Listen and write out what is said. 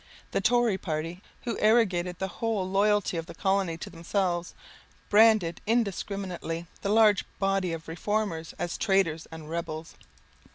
The Tory party, who arrogated the whole loyalty of the colony to themselves, branded, indiscriminately, the large body of Reformers as traitors and rebels.